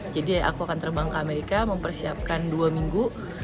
jadi aku akan terbang ke amerika mempersiapkan dua minggu